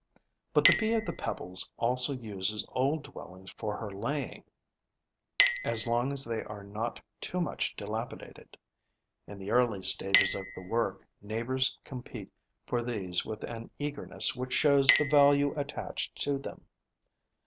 But the Bee of the Pebbles also uses old dwellings for her laying, as long as they are not too much dilapidated. In the early stages of the work, neighbours compete for these with an eagerness which shows the value attached to them.